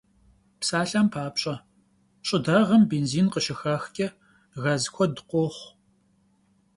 Psalhem papş'e, ş'ıdağem bênzin khışıxaxç'e gaz kued khoxhu.